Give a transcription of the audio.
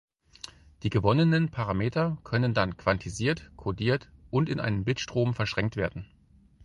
Die gewonnenen Parameter können dann quantisiert, codiert und in einen Bitstrom verschränkt werden.